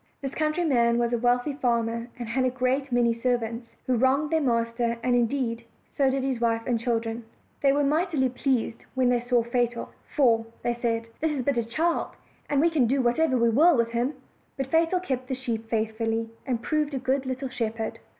This countryman was a wealthy farmer, and had a great many servants, who wronged their master; and, indeed, so did his wife and children. They were mightily pleased when they saw Fatal. "For," said they, "this is but a child, and we can do whatever we will with him." But Fatal kept the sheep faithfully, and proved a good little shepherd.